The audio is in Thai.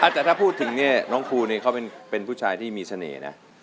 แต่ถ้าพูดถึงเนี่ยน้องครูเนี่ยเขาเป็นผู้ชายที่มีเสน่ห์นะ